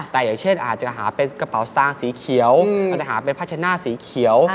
แต่อย่างเช่นอาจจะหาเป็นกระเป๋าซางสีเขียวอาจจะหาเป็นพัชน่าสีเขียว